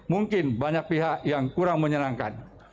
mungkin banyak pihak yang kurang menyenangkan